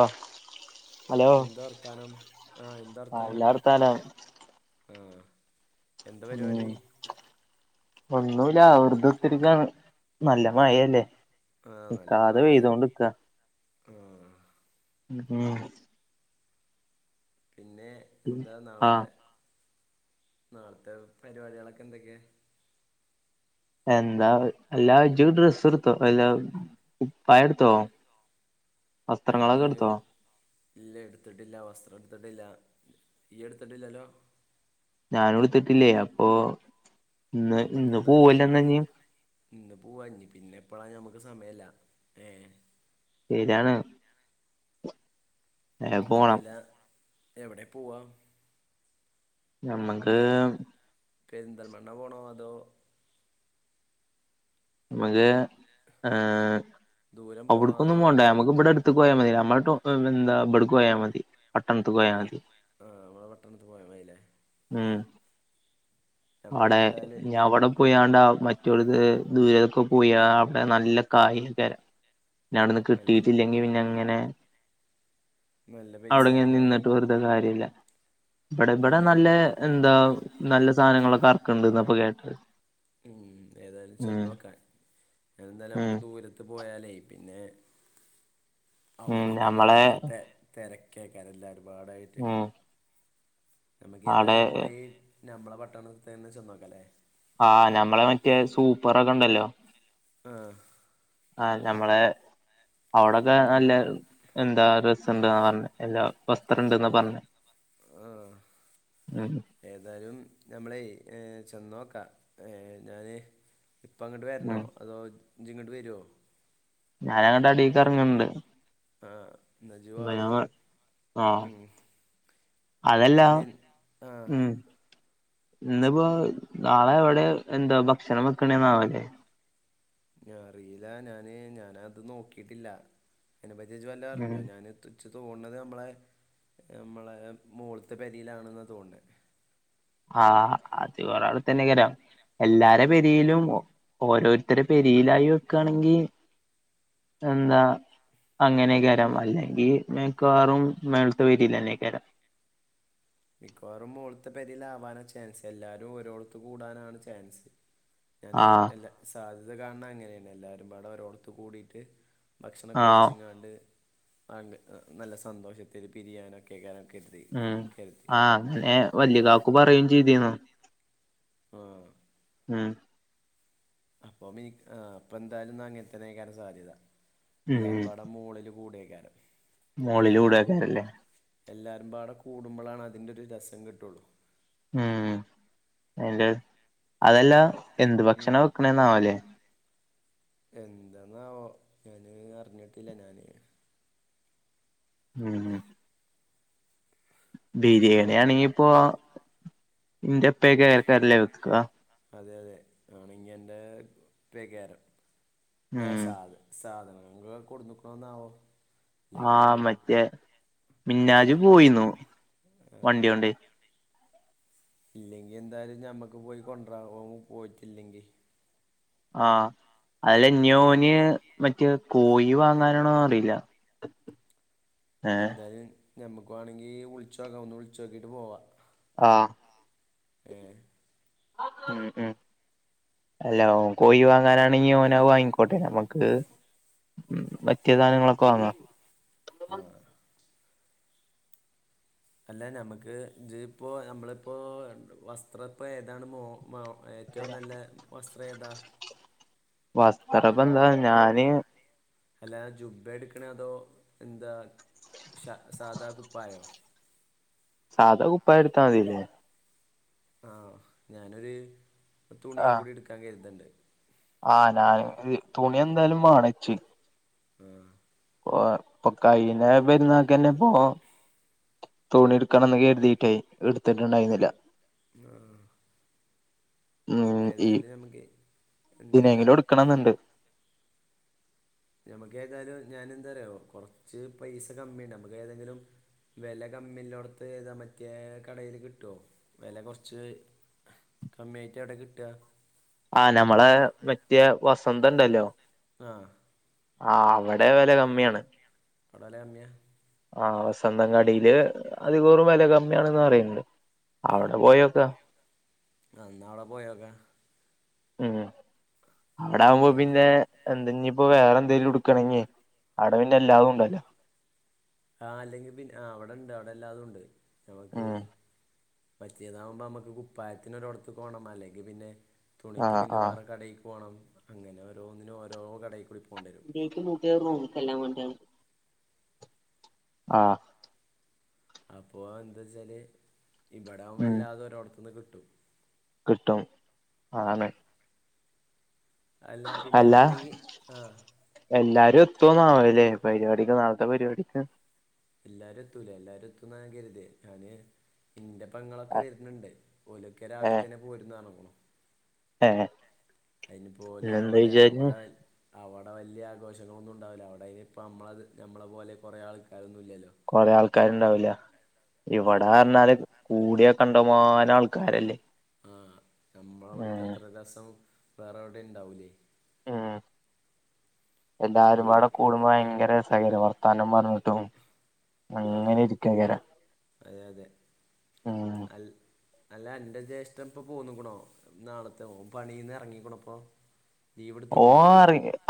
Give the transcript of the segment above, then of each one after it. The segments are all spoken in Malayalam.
ആഹ് ഹലോ എന്താർത്താനം? ആഹ് എന്താ വർത്താനം? ആഹ് ഉം ഒന്നൂല, വെർതുത്തിര്ക്കാണ്. നല്ല മയല്ലേ? ആ നിക്കാതെ പെയ്തോണ്ട്ക്ക ആഹ് ഉം പിന്നേ എന്താ നാളെ, ആഹ് നാളത്തെ പരിപാടികളൊക്കെ എന്തൊക്കെ? എന്താ എല്ലാ ജൂ ഡ്രസ്സ്ട്ത്തൊ? എല്ലാ കുപ്പായട്ത്തോ, വസ്ത്രങ്ങളൊക്കെട്ത്തോ? ഇല്ലേ ഇട്ത്തിട്ടില്ല വസ്ത്രട്ത്ത്ട്ടില്ല. ഇയ്യ്ട്ത്തിട്ടില്ലല്ലോ? ഞാനുട്ത്തിട്ടില്ലേ അപ്പോ, ഇന്ന് ഞമ്മക്ക് ഇന്ന് എന്നാലേ പോവല്ലെന്നാഞ്ഞ്? ഇന്ന് പോവാ ഞ്ഞ് പിന്നെപ്പളാ ഞമ്മക്ക് സമയല്ല. ഏഹ് [unintelligible] വേം പോണം അല്ല, എവിടെ പോവാ? ഞമ്മക്ക് മേ പെരിന്തൽമണ്ണ പോണോ, അതോ ഞമ്മക്ക് ഏഹ് ദൂരം പോണോ അതോ അവ്ട്ക്കൊന്നും പോണ്ട നമ്മക് ഇബടെ അട്ത്ത്ക്ക് പോയാ മതി, നമ്മളെ ട്ടൊ എന്താ ബട്ക്ക് പോയാ മതി പട്ടണത്ത്ക്ക് പോയാ ആഹ് മതി ആഹ്, നമ്മളെ പട്ടണത്ത്ക്ക് പോയാ മതിലേ. ഉം നമ്മക്ക് അടെ ഏതായാല് ഞവടും പോയാണ്ടാ മറ്റോൽത് [unintelligible] പോയ അവ്ടെ നല്ല. [unintelligible] പിന്നെ അവ്ട്ന്ന് നല്ല കിട്ടീട്ടില്ലെങ്കി പിന്നെ അങ്ങനെ നല്ല പൈസ അവ്ടെങ്ങനെ ആവൂലേ നിന്ന്ട്ട് വെർതെ കാര്യല്ല. ഇബടെ ഇബടെ പിന്നെ എന്ത് നല്ലേ എന്താ, നല്ല സാനങ്ങളൊക്കെ അർക്ക്ണ്ട് ന്നാപ്പോ കേട്ടത്. ഉം, ഏതാലും ഉം ചെന്നോക്കാൻ. ഞാനെന്താലും ഉം നമ്മക്ക് ദൂര ത്ത് പോയാലേ പിന്നെ, ഉം അവടിംന തന്നെ നമ്മളെ ഭയങ്കര തെ തെരക്കേക്കാരം എല്ലാരും പാടായിട്ട്. ഉം ആടെ നമ്മക്കേതായാലും നമ്മള ഈ നമ്മളെ പട്ടണത്ത്ത്തെന്നെ ചെന്നോക്കലേ ആഹ്, ഞമ്മളെ മറ്റേ സൂപ്പറൊക്കെണ്ടല്ലോ ആഹ് ആഹ് ഞമ്മള്, അവ്ടൊക്കെ നം നല്ലെ എന്താ രസണ്ട് ആർഞ്ഞ്, എല്ലാ വസ്ത്രണ്ട്ന്നാ അത് പർഞ്ഞേ ഉം. ഏതാലും നമ്മളെയ് ഏഹ് ചെന്നോക്കാ, ഞാന് ഇപ്പങ്ങട്ട് വര്നോ? ഉം അതോ ഇജ് ങ്ങട്ട് വെരോ? ഞാനങ്ങട്ട് അടീക്കർങ്ങ്ണ്ട്. ആഹ് ന്നജ് വാവ് ആ ഉം. അതല്ല പിന്നെ [unintelligible] ആഹ്. ഇന്ന് പ്പോ, നാളെ എവ്ടേ എന്താ ഭക്ഷണം വെക്ക്ണേന്നാവലേ? ഞാ അറീല, ഞാന് ഞാനത് നോക്കീട്ടില്ല. അയ്നെപ്പറ്റി ഇജ് വല്ലോ ഉം അർഞ്ഞോ ഞാന് ഇച്ച് തോണ് ണത് നമ്മളെ, നമ്മളെ മോള്ത്തെ പെരീലാണ്ന്ന തോന്ന്ണത്. ആഹ് അത് [unintelligible] തന്നെക്കാരം എല്ലാരെ പെരീലും, ഓരോരുത്തരെ പെരീലായി വെക്കാണെങ്കി എന്താ അങ്ങനേക്കാരം. അല്ലെങ്കി മിക്കവാറും മേള്ത്തെ പെരീലെന്നെയ്കാരം. മിക്കവാറും മോള്ത്തെ പെരീലാവാനാ ചേൻസ്. എല്ലാരും ഒരോട്ത്ത് കൂടാനാണ് ചേൻസ്. ഞാന് ആഹ് എല്ലാ സാധ്യത കാണ് ണെ അങ്ങനേണ്. എല്ലാരും പാടെ ഒരോട്ത്ത് കൂടീട്ട് ഭക്ഷണൊക്കെ ആഹ് വെച്ചങ്ങാണ്ട് നല്ല സന്തോഷത്തില് പിരിയാനൊക്കെക്കാരം കെർത്തി ഉം കേൾക്കി ആഹ് അങ്ങനെ വല്യ കാക്കു പറയും ചെയ്തിനു ആഹ് ഉം അപ്പം എനിക്ക് ആഹ് അപ്പന്തായാലുംന അങ്ങനെത്തന്നെഅയക്കരം സാധ്യത എല്ലാരും ഉം പാടെ മൂളല് കൂടെക്കാരം അല്ല എൽ മോളിലൂടെക്കാരല്ലേ എല്ലാരും പാടെ കൂടുമ്പോളാണ് അതിന്റെ ഒരു രസം കിട്ടുള്ളൂ ഉം അതിന്റെ അതല്ല എന്ത് ഭക്ഷണ വെക്കണന്നാവല്ലേ എന്താന്നാവോ ഞാന് അറിഞ്ഞിട്ടില്ല ഞാന് ഉം ബിരിയാണി ആണെങ്കിപ്പൊ എന്റെപ്പേക്കെ കേറല്ലേ വെക്ക അതെ അതെ ആണെങ്ക എൻ്റെ ഇപ്പയ്ക്കാരം ഉം സാദ് സാധനങ്ങള് കൊടന്നക്ണാവോ ആഹ് മറ്റേ ഇല്ലെ മിന്നാജ് പോയിന്നു വണ്ടിഓണ്ട് ഇല്ലെങ്കി എന്തായാലും ഞമ്മക്ക് പോയി കൊണ്ടര ഓന് പോയിട്ടില്ലെങ്കി ആഹ് അതല്ല ന്യോന് മറ്റെ കോഴി വാങ്ങാനാണോ അറിയില്ല ഏഹ് എന്തായാലും ഞമ്മക്ക് വണെങ്കി വിളിച്ച നോക്ക ഒന്ന് വിളിച്ച നോക്കിട്ട് പോവാ ആഹ് ആഹ് ഏഹ് ഉം ഉം ഹലോ കോഴി വാങ്ങാൻ ആണെങ്കി ഓൻ അത് വാങ്ങിക്കോട്ടെ ഞമക്ക് മറ്റ സാധനങ്ങളൊക്കെ വാങ്ങാ ആഹ് അല്ല നമുക്ക് ഇത് ഇപ്പോ നമ്മളിപ്പോ വസ്ത്ര ഇപ്പോൾ ഏതാണ് മോ ഏറ്റവും നല്ല വസ്ത്രേത വരസ്ത്രപ്പ എന്താ ഞാന് അല്ല ജുബ എടുക്കണ അതോ എന്താ സാ സാധാ കുപ്പായോ സാധാ കുപ്പായം എടുത്താ മതില്ലേ ആഹ് ഞാനൊരു തുണിയും ആഹ് കൂടി എടുക്കാൻ കരുതണ്ട് ആഹ് ഞാന് തുണി എന്തായാലും വണച്ച് ആഹ് ഓഹ് ഇപ്പോകഴിഞ്ഞ പരുന്നക്കന്നെ പോ തുണി എടുക്കണംന്ന് കരുതിയിട്ടേ എടുത്തിട്ടുണ്ടായിരുന്നില്ല ആഹ് ഉം ഈ ഏതായാലും നമുക്ക് എന്താ ഇതിനെങ്കിലും എടുക്കണംന്നുണ്ട് നഞമ്മക്ക ഏതായാലും ഞാൻ എന്താരിയോ കുറച്ച് പൈസ കമ്മിണ്ട് നമുക്ക് ഏതെങ്കിലും വില കമ്മില്ലോടത്ത് ഏതാ പറ്റിയ കടയില് കിട്ടോ വില കുറച്ച് കമ്മിയായിട്ട് എവിടെ കിട്ടാ ആഹ് നമ്മളെ മറ്റേ വസന്ത ഇണ്ടല്ലോ ആഹ് ആഹ് അവിടെ വെല കമ്മിയാണ് അവിടെ വില കമ്മിയാ ആഹ് വസന്ത കടിയില് അധികോറും വില കമ്മിയാണന്ന് പറയണ്ട് അവിടെ പോയോക്ക ആഹ് ന്നാ അവിടെ പോയോക്ക ഉം അവിടെ ആകുമ്പോ അതിൽ പിന്നെ എന്തനിയിപ്പോ വേറെ എന്തെിലും ടുക്കണെങ്കേ അടവിന്നെ എല്ലാ ഉണ്ടല്ലോ ആഹ് അല്ലെങ്കിൽ പിന്നെ അവിടെണ്ട് അവിടെല്ലാതുംണ്ട് നമുക്ക് ഉം പറ്റിയതാകുമ്പോ അമ്മക്ക് കുപ്പായത്തിന് ഒരോടത്ത് പോണം അല്ലെങ്കിൽ പിന്നെ ആ തുണിക്ക് പിന്നെ ആ ആ വേറെ കടയ്ക്ക് പോകണം അങ്ങനെ ഓരോന്നിനും ഓരോ കടയിൽ കൂടി പോകേണ്ടി വരും എനിക്ക് പുതിയ റൂംക്ക്‌ എല്ലാം വേണ്ടിയ ആഹ് അപ്പൊ എന്താ വച്ചാല് ഇവിടെ ആവുമ്പോ ഉം വല്ലാതെ ഒരോവിടത്തന്ന് കിട്ടും കിട്ടും അതാണ് അല്ല പിന്നെ അല്ലെങ്കിൽ ആഹ് എല്ലാരും എത്തന്നുവല്ലേ പരിപാടിക്ക് നാളത്തെ പരിപാടിക്ക് എല്ലാരും എത്തൂല എല്ലാരും എത്തന്നാ ഞാൻ കരുതേ ഞാന് ഇന്റെ പങ്ങളൊക്കെ വരുന്നുണ്ട് ഓലക്കെ ഏ രാവിലെ തന്നെ പോയിരുന്ന [unintelligible] ഏ അതിനി പോലെ പിന്നെന്താ അവിടെ വിചാരിച്ച് അവിടെ അവിടെ വലിയ ആഘോഷങ്ങളൊന്നും ഉണ്ടാവില്ല അവിടെ അതിനി ഇപ്പൾ നമ്മളത് നമ്മളെ പോലെ കുറെ ആൾക്കാരൊന്നും ഇല്ലല്ലോ കൊറെ ആൾക്കാരുണ്ടാവില്ല ആ ഇവിടെ പറഞ്ഞാല് കൂടിയ കണ്ടമാനം ആൾക്കാരല്ലേ ആഹ് നമ്മളവിടുത്തെ ഉം അത്ര രസം വേറെവിടേം ഉണ്ടാവൂലേ ഉം എല്ലാരും വാടെ ഓല് കൂടുമ്പോ ഭയങ്കര രസേകാരം വർത്താനം പറഞ്ഞിട്ടും ആ അങ്ങനെ ഇരിക്കേകാരം അതെ അതെ അൽ അല്ല അന്റെ ജ്യേഷ്ഠൻ ഇപ്പൊ പോന്ന്ക്ക്ണോ നാളത്തെ ഓൻ പണീന്ന് ഇറങ്ങീക്ക്ണപ്പൊ ഓ അ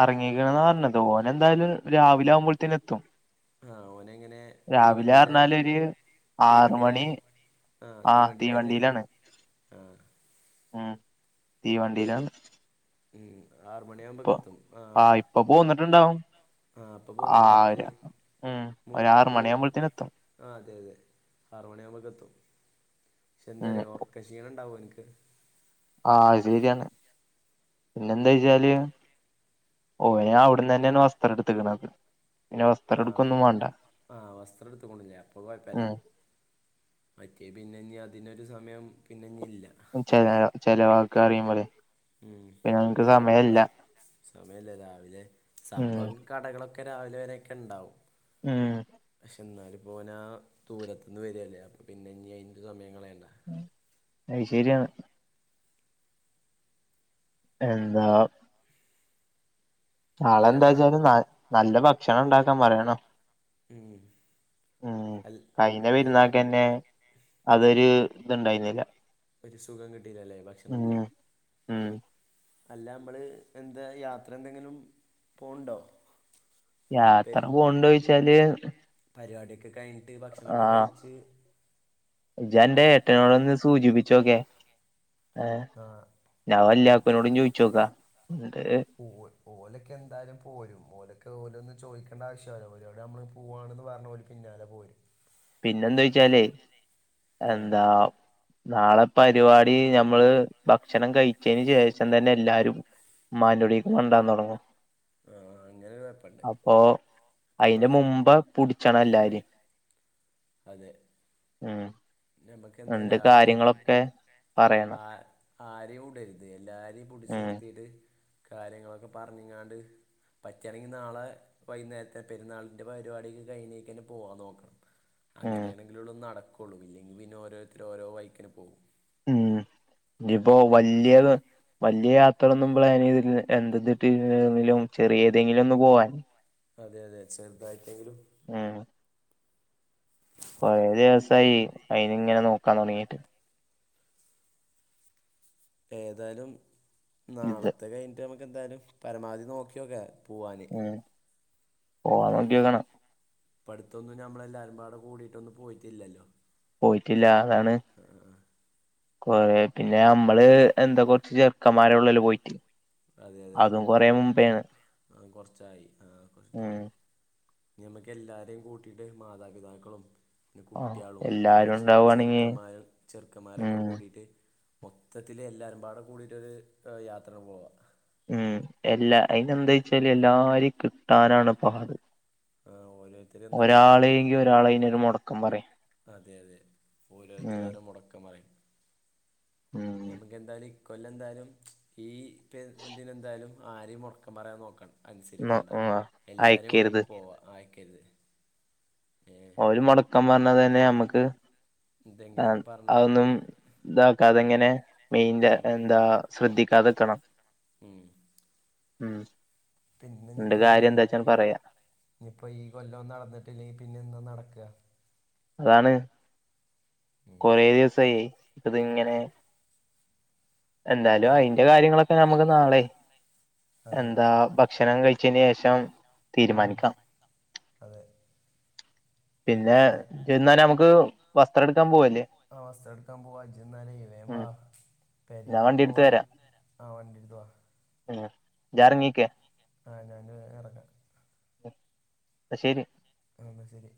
അറങ്ങിക്കണന്ന് പറഞ്ഞത് ഓന എന്തായാലും രാവിലെ ആകുമ്പോഴത്തേന എത്തും ആഹ് ഓന എങ്ങനെ രാവിലെ തീവണ്ടിയില പറഞ്ഞാല് ഒരു ആറ് തീവണ്ടിയിലെ മണി ആഹ് ആ തീവണ്ടീലാ വരുന്നേ തീവണ്ടിയിലാണ് ആഹ് ഉം തീവണ്ടിയിലാണ് ഉം ആറുമണിയാകുമ്പോക്കെ ഇപ്പൊ എത്തും ആ ആഹ് ഇപ്പൊ പോന്നിട്ടുണ്ടാവും ആഹ് അപ്പൊ പോന്നിട്ടുണ്ടോ ആര ആര് ഉം മൂ ഒരാറ് മൂന്ന് മണിയാവുമ്പോഴത്തേന് എത്തും ആ അതെ അതെ ആർമണി ആകുമ്പോൾക്കെ എത്തും പക്ഷെ ഉം എന്താരയ ഓർക്ക ക്ഷീണം ഉണ്ടാവുമോ എനിക്ക് ആ അത് ശെരിയാണ് പിന്നെ എന്താ വച്ചാല് ഓന് അവിടന്ന് തന്നെയാണ് വസ്ത്രം എടുത്തക്ക്ണത് ആഹ് ആഹ വസ്ത്രം എടുത്ത കൊണ്ടില്ലേ അപ്പ കൊയപ്പല്ല ഉം മറ്റേ പിന്നഞ്ഞ അതിനൊരു സമയം പിന്നഞ്ഞ ഇല്ല ച ചെലവാക്ക അറിയുമ്പോലെ ഉം സമയല്ല രാവിലെ ഉം സംഭം കടകളൊക്കെ രാവിലെ വരെയൊക്കെണ്ടാവും ഉം പക്ഷെ എന്നാലും പോനാ ദൂരത്തുന്ന് വരില്ലേ അപ്പ പിന്നെ ഇനി അതിന്റെ സമയം കളയണ്ട അയ് ശരിയാണ് എന്താ അല്ല നാളെന്താ നാ വെച്ചാല് ന നല്ല ഭക്ഷണം ഉണ്ടാക്കാൻ പറയണം ഉം ഉം അൽ കഴിഞ്ഞ നല്ല പെരുന്നാക്കെന്നെ അതൊരു ഇത്ണ്ടായിന്നില്ല ഒരു സുഖം കിട്ടിയില്ലല്ലേ ഭക്ഷണം ഉം അല്ല നമ്മള് എന്താ യാത്ര എന്തെങ്കിലും പോണ്ടോ യാത്ര പോകണ്ട ചോദിച്ചാല് പരിപാടിയൊക്കെ കഴിഞ്ഞിട്ട് ഭക്ഷണൊക്കെ കഴിച്ച് ജന്റെ ഏട്ടനോട് ഒന്ന് സൂചിപ്പിച്ചോക്കെ ഏഹ് ആ ഞാൻ ആ വല്യാക്കൂനോടും ചോയിച്ചോക്കാം ഉവ്വ് ഓലൊക്കെ എന്തായാലും പോരും ഓലൊക്കെ ഓലൊന്ന് ചോദിക്കേണ്ട ആവശ്യമല്ല ഓലോട് നമ്മൾ പോവാണെന്ന് പറഞ്ഞ പോലും പിന്നാലെ പോരും പിന്നെന്തായ്ച്ചാലേ ആ എന്താ നാളെ പരിപാടി നമ്മള് ഭക്ഷണം കഴിച്ചതിന് ശേഷം തന്നെ എല്ലാരും ഇമ്മാന്റുടീക്ക് തെണ്ടാൻ തുടങ്ങും ആഹ് അങ്ങനെരു കൊയപ്പണ്ട് അയിന്റെ മുമ്പ് പുട്ച്ചണം എല്ലാരേം അതെ ഉം ഞമ്മക്ക്ന്തയ്ലും ആരിം കാര്യങ്ങളൊക്കെ പറയണം ആഹ് ആരെയുടര്ത് എല്ലാരിം പുടിച്ച് ഉം നിർത്തിയിട്ട് കാര്യങ്ങളൊക്കെ പർഞ്ഞിങ്ങാണ്ട് പറ്റാണെങ്കി നാളെ വൈന്നേര്ത്തെ പെരുന്നാളിന്റെ പരിവാടിക്കൊക്കെ കഴിഞ്ഞേകെന്നെ പോവാൻ നോക്ക ഉം അങ്ങനേണെങ്കിലൊള്ളു നടക്കൊള്ളു ഇല്ലെങ്കി പിന്നെ ഓരോര്ത്തര് ഓരോ വയ്ക്കിന് പോകും ഉം ഇനിയിപ്പോ വല്യയത് വല്യ യാത്രൊന്നും പ്ലാനെയ്തില്ല എന്തത് ത്തി ഏതിലും ചെറിയേതെങ്കിലും ഒന്നു പോവാൻ അതെ അതെ ചെർതായിട്ടെങ്കിലും ഉം കൊറേ ദിവസായി അയിനിങ്ങനെ നോക്കാൻ തൊടങ്ങീട്ട് ഏതായാലും ഇത് നാളത്തെ കഴിഞ്ഞിട്ട് നമുക്ക് എന്തായാലും പരമാവധി നോക്കിയോക്ക പുവാന് ഓണക്കിയോക്കണം പ്പ അട്ത്തൊന്നും നമ്മളെല്ലാരുംപാടെ കൂടിട്ടൊന്നു പോയിട്ടില്ലല്ലോ പോയിട്ടില്ല അതാണ് കൊറേ പിന്നെ അമ്മള് എന്താ കൊർച്ച് ചെറുക്കന്മാരെ ഒള്ളല്ലൊ പോയിട്ട് അതെ അതെ അതും കൊറേ മുമ്പേണ് ആ കൊർച്ചായി ആഹ് ഉം കൊർച്ചതോനെ ഞമ്മക്ക് എല്ലാരെയും കൂട്ടീട്ട് മാതാപിതാക്കളും പിന്നെ ആഹ് കുട്ട്യാളും നമ്മൾ എല്ലാരും ഉണ്ടാവുവാണെങ്കി ചെറുക്കന്മാര ഉം ചെറുക്കന്മാരൊക്കെ കൂടീട്ട് മൊത്തത്തില് എല്ലാരുപാടെ കൂടീട്ടൊരു യാത്ര പോവ ഉം എല്ലാ അയിനെന്തായ്ച്ചാല് എല്ലാരിം കിട്ടാനാണ് പാട് ഓരോരുത്തർ എന്താ പറയുക ജോ ഒരാളേങ്കി ഒരാളനയ്നൊരു മൊടക്കം പറിം അതെ അതെ ഓരോര്ത്തരോരോ മുടക്കംപറിം ഉം ഞമ്മ എന്തായ്ലും ഇ കൊല്ലം എന്തായ്ലും ഈ ഇപ്പ ഇതിനെന്തായ്ലും ആരിം മൊട്ക്കം പറയാൻ നോക്ക ന്ന അൻസരിക്കേണ്ട ആഹ് എല്ലാരെയും കൊണ്ടണ്ട് അയക്കരുത് പോവാ ആയ്ക്കരുത് ഏഹ് ഒരു മൊടക്കം വന്നതന്നെ നമ്മക്ക് ആ എന്തെങ്കിലുമൊക്കെ പറഞ്ഞ് അതൊന്നും ന്താക്കാതിങ്ങനെ മെയിൻന്റെ ഉം. എന്താ ശ്രദ്ധിക്കാതക്കണം ഉം ഉം ന്ത്‌ കാര്യ എന്താച്ചാൽ പറയാ ഇഞ്ഞിപ്പോ ഈ കൊല്ലം നടന്നിട്ടില്ലെങ്കിപിന്നെ എന്നോ നടക്ക അതാണ് ഉം. കൊറേ ദിവസയി ഇതിങ്ങനെ എന്തായലും ഉം. അയിന്റെ കാര്യങ്ങളൊക്കെ നമുക്ക് നാളെ അതെ എന്താ ഭക്ഷണം കഴിച്ചന് ശേഷം ഉം. തീരുമാനിക്കാം അതെ പിന്നെ എന്നാനമുക്ക് വസ്ത്രട്ക്കാൻ പോവ ആഹ് വസ്ത്രട്ക്കാൻ പോവാ ഇജ്ജന്നാല വേം ഉം വാ പെരീലിപ്പ വണ്ടി ആഹ് വണ്ടിട്ത്തവാ ഏഹ് ജർങ്ങിക്കെ ആഹ് ഞാന് എറങ്ങ അഹ് ന്നശരി ആഹ് ന്നശരി